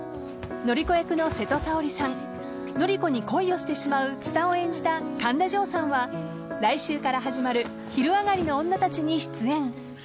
朔子役の瀬戸さおりさん紀子に恋をしてしまう津多を演じたカンダ・ジョウさんは来週から始まる「昼上がりのオンナたち」に出演。